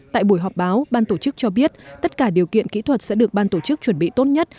tại buổi họp báo ban tổ chức cho biết tất cả điều kiện kỹ thuật sẽ được ban tổ chức chuẩn bị tốt nhất